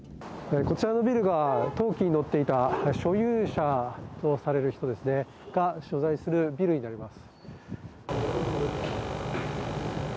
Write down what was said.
こちらのビルが登記に載っていた所有者とされる人の所在するビルになります。